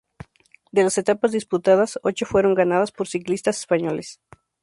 De las etapas disputadas, ocho fueron ganadas por ciclistas españoles.